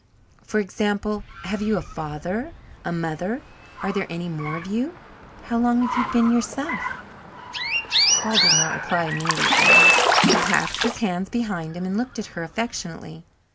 For example, have you a father a mother? Are there any more of you? How long have you been yourself?" Paul did not reply immediately. He clasped his hands behind him and looked at her affectionately.